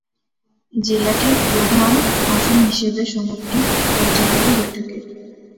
জেলাটি প্রধান আসন হিসাবে শহরটি পরিচালিত হয়ে থাকে।